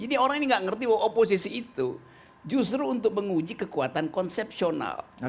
jadi orang ini gak ngerti bahwa oposisi itu justru untuk menguji kekuatan konsepsional